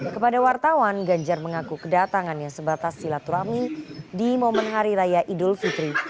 kepada wartawan ganjar mengaku kedatangannya sebatas silaturahmi di momen hari raya idul fitri